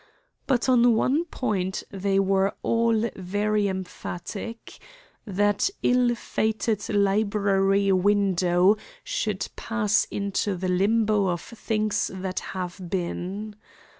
But on one point they were all very emphatic. That ill fated library window should pass into the limbo of things that have been.